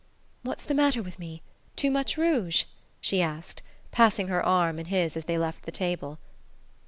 "What's the matter with me? Too much rouge?" she asked, passing her arm in his as they left the table.